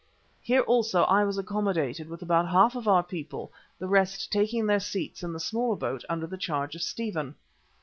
Here also I was accommodated, with about half of our people, the rest taking their seats in the smaller boat under the charge of Stephen.